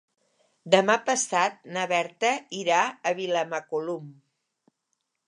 Demà passat na Berta irà a Vilamacolum.